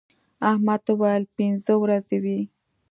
احمد وويل: پینځه ورځې وې.